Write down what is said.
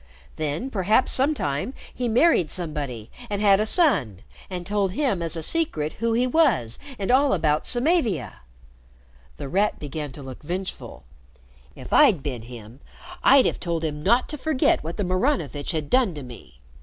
Then perhaps sometime he married somebody and had a son, and told him as a secret who he was and all about Samavia." The Rat began to look vengeful. "If I'd bin him I'd have told him not to forget what the Maranovitch had done to me.